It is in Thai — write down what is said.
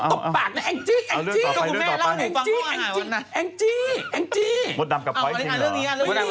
ก็คงแม่เล่าอยู่ฟังห้องอาหารวันนั้น